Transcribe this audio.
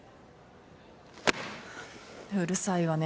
うるさいわね。